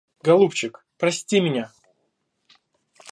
Голубчик, прости меня!